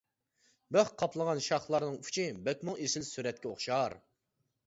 بىخ قاپلىغان شاخلارنىڭ ئۇچى، بەكمۇ ئېسىل سۈرەتكە ئوخشار.